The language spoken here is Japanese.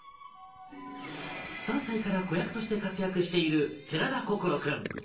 ３歳から子役として活躍している寺田心君